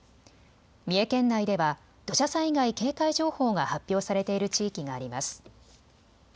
三重県内では土砂災害警戒情報が発表されている地域があります。